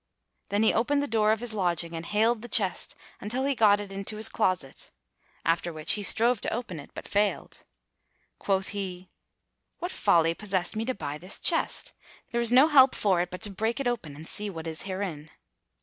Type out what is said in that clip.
Then he opened the door of his lodging and haled the chest until he got it into his closet; after which he strove to open it, but failed. Quoth he, "What folly possessed me to buy this chest? There is no help for it but to break it open and see what is herein."